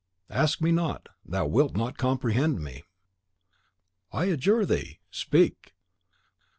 "Ask me not, thou wilt not comprehend me!" "I adjure thee! speak!"